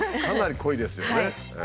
かなり濃いですよね。